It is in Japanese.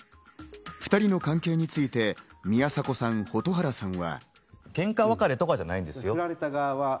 ２人の関係について宮迫さん、蛍原さんは。